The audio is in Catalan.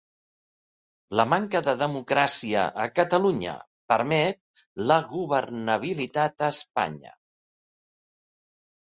La manca de democràcia a Catalunya permet la governabilitat a Espanya